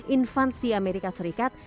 infansi amerika serikat